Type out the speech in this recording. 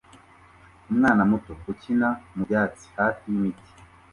umwana muto ukina mubyatsi hafi yimiti